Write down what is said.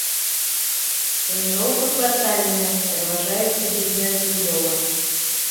Планіроўка квартальная, пераважае сядзібная забудова.